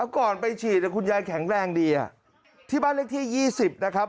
ก่อนไปฉีดคุณยายแข็งแรงดีที่บ้านเลขที่๒๐นะครับ